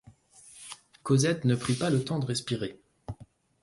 Cosette ne prit pas le temps de respirer.